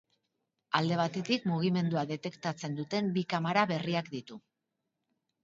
Alde batetik, mugimendua detektatzen duten bi kamara berriak ditu.